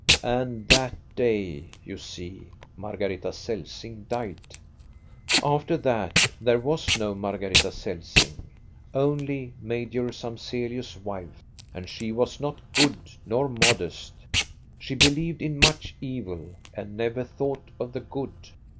And that day, you see, Margareta Celsing died. " After that there was no Margareta Celsing, only Major Samzelius's wife, and she was not good nor modest ; she believed in much evil and never thought of the good.